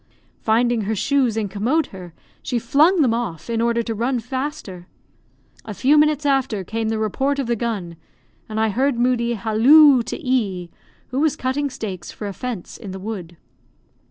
Finding her shoes incommode her, she flung them off, in order to run faster. A few minutes after, came the report of the gun, and I heard Moodie halloo to E , who was cutting stakes for a fence in the wood.